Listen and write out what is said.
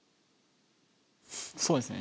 そうですね。